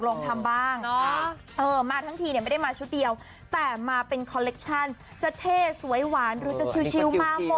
ลองทำบ้างมาทั้งทีเนี่ยไม่ได้มาชุดเดียวแต่มาเป็นคอลเลคชั่นจะเท่สวยหวานหรือจะชิลมาหมด